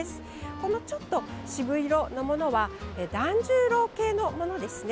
このちょっと渋色のものは団十郎系のものですね。